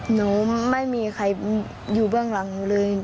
หนูไม่มีใครอยู่เบื้องหลังหนูเลย